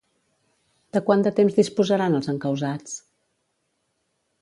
De quant de temps disposaran els encausats?